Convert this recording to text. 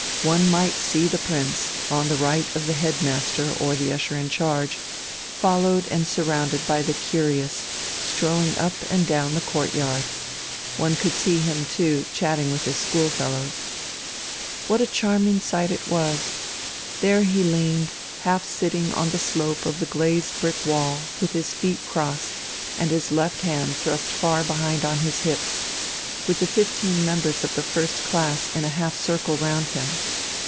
One might see the prince, on the right of the head master or the usher in charge, followed and surrounded by the curious, strolling up and down the courtyard. One could see him, too, chatting with his schoolfellows. What a charming sight it was! There he leaned, half sitting on the slope of the glazed brick wall, with his feet crossed, and his left hand thrust far behind on his hips, with the fifteen members of the first class in a half circle round him.